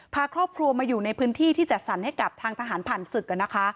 พาครอบครัวมาอยู่ในพื้นที่ที่จัดสรรให้กับทางทหารผ่านศึก